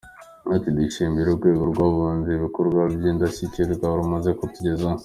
Yagize ati” Dushimira urwego rw’abunzi ibikorwa by’indashyirwa rumaze kutugezaho.